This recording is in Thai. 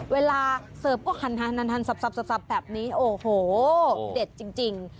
เสิร์ฟก็หันสับแบบนี้โอ้โหเด็ดจริง